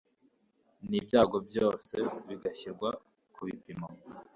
Nibyago byose bigashyirwa ku bipimo